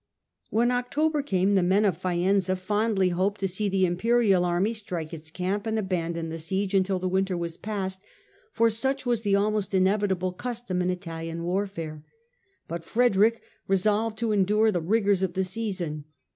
When October came the men of Faenza fondly hoped to see the Imperial army strike its camp and abandon the siege until the winter was past ; for such was the almost invariable custom in Italian warfare. But Frederick resolved to endure the rigours of the season.